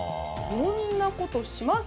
こんなことします？